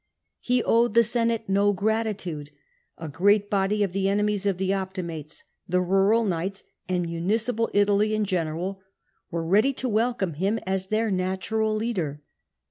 He owed the Senate no gratitude; a great body of the enemies of the Optimates — the rural knights and municipal Italy in general — were ready to welcome him as their natural leader.